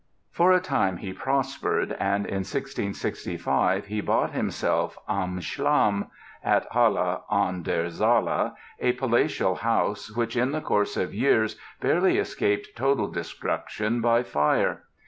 For a time he prospered and in 1665 he bought himself "Am Schlamm," at Halle an der Saale, a palatial house, which in the course of years barely escaped total destruction by fire.